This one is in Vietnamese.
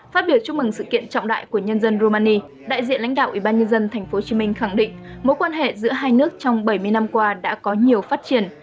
phát biểu chúc mừng sự kiện trọng đại của nhân dân romani đại diện lãnh đạo ủy ban nhân dân tp hcm khẳng định mối quan hệ giữa hai nước trong bảy mươi năm qua đã có nhiều phát triển